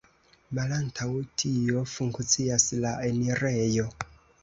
Malantaŭ tio funkcias la enirejo.